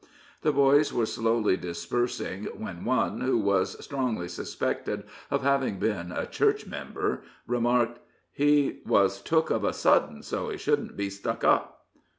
The boys were slowly dispersing, when one, who was strongly suspected of having been a Church member remarked: "He was took of a sudden, so he shouldn't be stuck up."